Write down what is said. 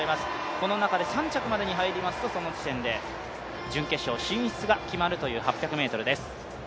この中で３着までに入りますと、その時点で準決勝進出が決まるという８００ｍです。